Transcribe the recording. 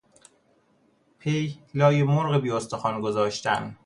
پیه لای مرغ بی استخوان گذاشتن